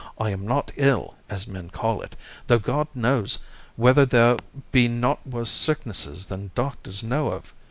I am not ill, as men call it, though God knows whether there be not worse sicknesses than doctors know of.